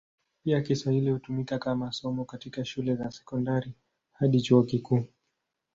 Pia Kiswahili hutumika kama somo katika shule za sekondari hadi chuo kikuu.